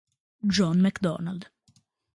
John McDonald